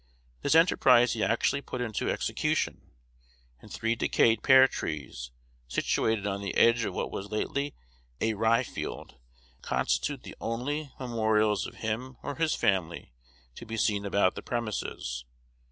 This enterprise he actually put into execution; and three decayed pear trees, situated on the "edge" of what was lately a rye field, constitute the only memorials of him or his family to be seen about the premises.